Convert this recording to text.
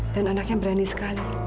dan anaknya berani sekali